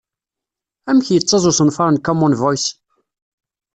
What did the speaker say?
Amek yettaẓ usenfar n Common Voice?